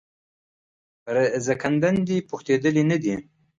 پر زکندن دي پوښتېدلی نه دی